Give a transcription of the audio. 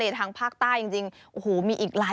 สวัสดีครับ